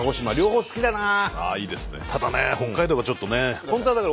ただね北海道がちょっとね。